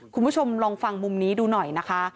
คุณผู้ชมลองฟังมุมนี้ดูหน่อยนะคะ